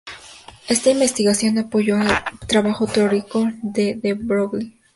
Esta investigación apoyó el trabajo teórico de De Broglie.